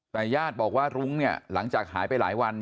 แต่ญาติบอกว่ารุ้งเนี่ยหลังจากหายไปหลายวัน